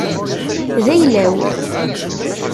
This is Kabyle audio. D ayla-w.